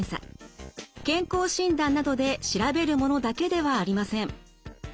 健康診断などで調べるものだけではありません。